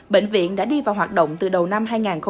bệnh viện đã đi vào hoạt động từ đầu năm hai nghìn một mươi tám